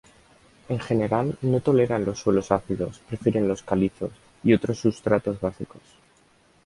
En general, no toleran los suelos ácidos, prefieren los calizos y otros sustratos básicos.